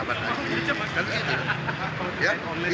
habis itu bersahabat aja